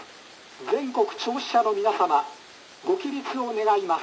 全国聴取者の皆様ご起立を願います」。